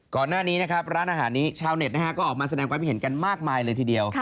ก่อนหน้านี้นะครับร้านอาหารนี้ชาวเน็ตนะฮะก็ออกมาแสดงความคิดเห็นกันมากมายเลยทีเดียว